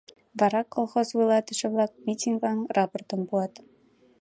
Вара колхоз вуйлатыше-влак митинглан рапортым пуат.